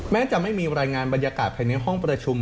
แม้จะไม่มีรายงานบรรยากาศภายในห้องประชุม